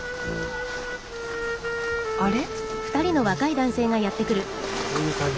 あれ？